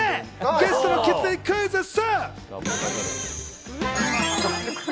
ゲストのきつねにクイズッス！